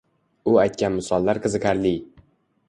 U aytgan misollar qiziqarli.